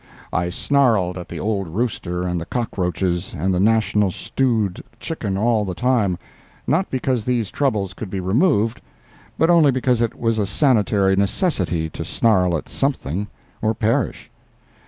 I snarled at the old rooster and the cockroaches and the national stewed chicken all the time—not because these troubles could be removed, but only because it was a sanitary necessity to snarl at something or perish.